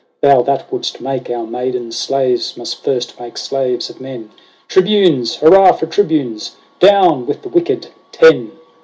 Thou that wouldst make our maidens slaves must first make slaves of men. Tribunes ! Hurrah for Tribunes ! Down with the wicked Ten